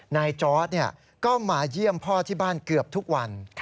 จอร์ดก็มาเยี่ยมพ่อที่บ้านเกือบทุกวัน